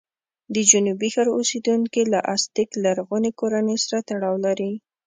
د جنوبي ښار اوسېدونکي له ازتېک لرغونې کورنۍ سره تړاو لري.